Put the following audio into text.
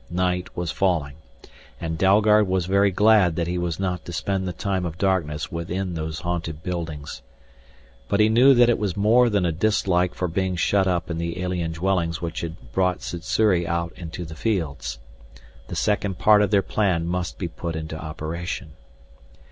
Night was falling, and Dalgard was very glad that he was not to spend the time of darkness within those haunted buildings. But he knew that it was more than a dislike for being shut up in the alien dwellings which had brought Sssuri out into the fields. The second part of their plan must be put into operation.